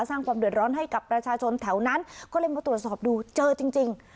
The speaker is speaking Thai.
สร้างความเดือดร้อนให้กับประชาชนแถวนั้นก็เลยมาตรวจสอบดูเจอจริงจริง